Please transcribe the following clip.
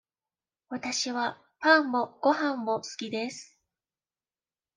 わたしはパンもごはんも好きです。